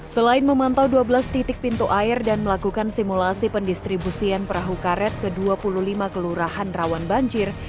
selain memantau dua belas titik pintu air dan melakukan simulasi pendistribusian perahu karet ke dua puluh lima kelurahan rawan banjir